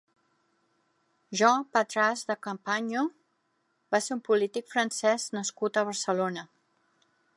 Jean Patras de Campaigno va ser un polític francès nascut a Barcelona.